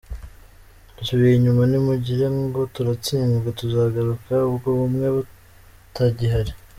Dusubiye inyuma, ntimugire ngo turatsinzwe, tuzagaruka ubwo bumwe butagihari.»